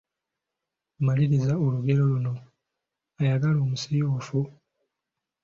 Maliriza olugero luno: Ayagala omusiiwuufu, …..